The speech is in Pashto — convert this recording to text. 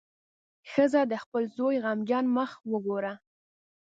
ښځه د خپل زوی غمجن مخ وګوره.